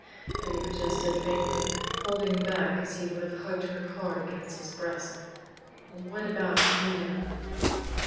Penny protested faintly, holding back as he would have hugged her hard against his breast. "What about Nita?"